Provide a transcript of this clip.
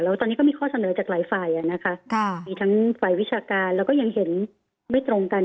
แล้วตอนนี้ก็มีข้อเสนอจากหลายฝ่ายนะคะมีทั้งฝ่ายวิชาการแล้วก็ยังเห็นไม่ตรงกัน